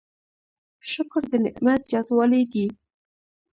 شکر د نعمت زیاتوالی دی؟